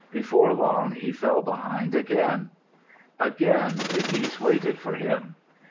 Before long he fell behind again. Again the geese waited for him.